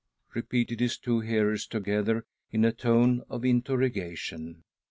" repeated his two hearers together, in a tone of interrogation.